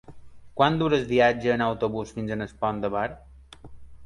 Quant dura el viatge en autobús fins al Pont de Bar?